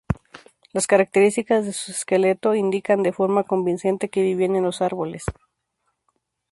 Las características de sus esqueleto indican de forma convincente que vivían en los árboles.